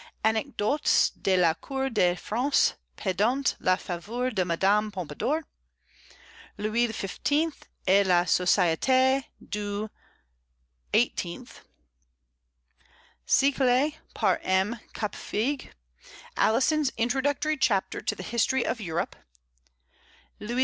Anecdotes de la Cour de France pendant la Faveur de Madame Pompadour; Louis XV. et la Société du XVIII. Siècle, par M. Capefigue; Alison's introductory chapter to the History of Europe; Louis XV.